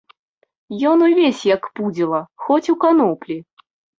Ён увесь як пудзіла, хоць у каноплі.